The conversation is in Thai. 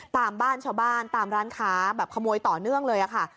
ตามบ้านชาวบ้านตามร้านค้าแบบขโมยต่อเนื่องเลยค่ะ